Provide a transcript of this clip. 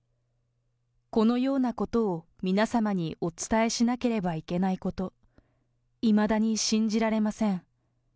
このようなことを皆様にお伝えしなければいけないこと、いまだに信じられません。